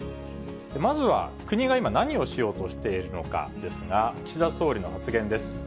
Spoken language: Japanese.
まずは国が今、何をしようとしているのかですが、岸田総理の発言です。